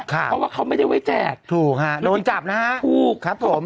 เพราะว่าเขาไม่ได้ไว้แจกถูกฮะโดนจับนะฮะถูกครับผม